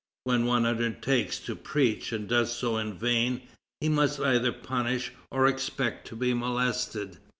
When one undertakes to preach, and does so in vain, he must either punish or expect to be molested."